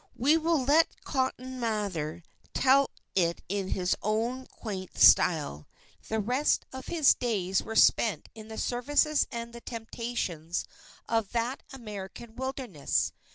We will let Cotton Mather tell it in his own quaint style: "The rest of his days were spent in the services and the temptations of that American wilderness.